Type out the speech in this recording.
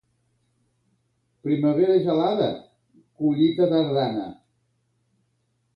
Primavera gelada, collita tardana.